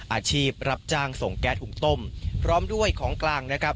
อาชีพรับจ้างส่งแก๊สหุงต้มพร้อมด้วยของกลางนะครับ